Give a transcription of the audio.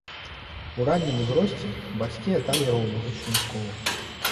У раннім узросце бацькі аддалі яго ў музычную школу.